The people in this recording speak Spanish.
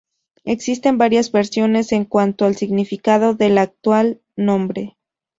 Existen varias versiones en cuanto al significado de su actual nombre.